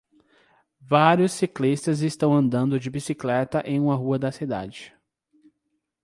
Vários ciclistas estão andando de bicicleta em uma rua da cidade.